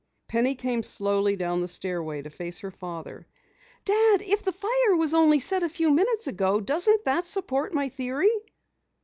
Penny came slowly down the stairway to face her father. "Dad, if the fire was set only a few minutes ago, doesn't that support my theory?"